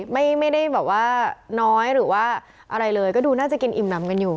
ไม่ได้แบบว่าน้อยหรือว่าอะไรเลยก็ดูน่าจะกินอิ่มน้ำกันอยู่